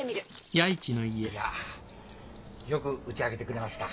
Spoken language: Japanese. いやよく打ち明けてくれました。